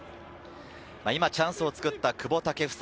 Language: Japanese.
今チャンスをつくった久保建英。